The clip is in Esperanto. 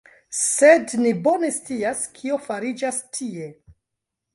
Sed ni bone scias, kio fariĝas tie.